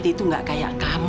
itu gak kayak kamu